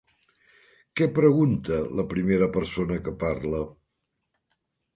Què pregunta la primera persona que parla?